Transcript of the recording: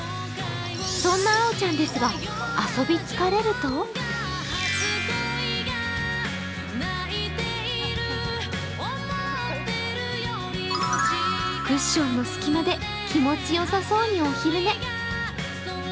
そんなあおちゃんですが遊び疲れるとクッションの隙間で気持ちよさそうにお昼寝。